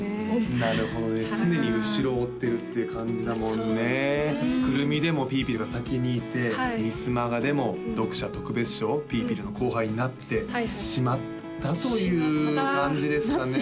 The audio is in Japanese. なるほどね常に後ろを追ってるっていう感じだもんね９６３でもぴーぴるが先にいてミスマガでも読者特別賞ぴーぴるの後輩になってしまったという感じですかね